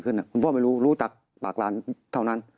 คุณพ่อไม่รู้รู้จากปากหลานเท่านั้น